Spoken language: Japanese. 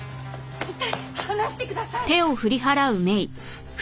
痛い離してください！